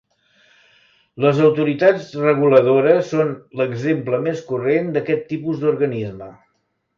Les autoritats reguladores són l'exemple més corrent d'aquest tipus d'organisme.